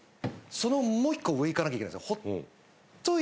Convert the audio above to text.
そのもう一個上いかなきゃいけないんすよ